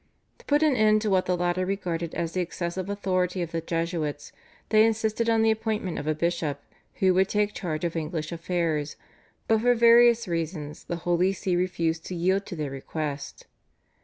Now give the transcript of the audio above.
To put an end to what the latter regarded as the excessive authority of the Jesuits they insisted on the appointment of a bishop who would take charge of English affairs, but for various reasons the Holy See refused to yield to their request.